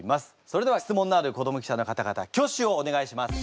それでは質問のある子ども記者の方々挙手をお願いします。